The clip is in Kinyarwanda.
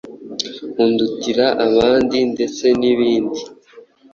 Undutira abandi ndetse n’ibindi.